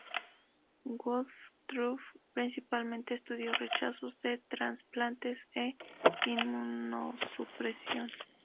Woodruff principalmente estudió rechazos de trasplantes e inmunosupresión.